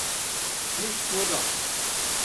Nicht nur das.